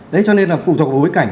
đấy cho nên là phụ thuộc vào bối cảnh